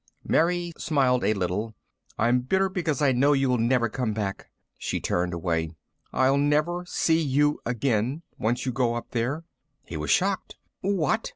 Mary smiled a little. "I'm bitter because I know you'll never come back." She turned away. "I'll never see you again, once you go up there." He was shocked. "What?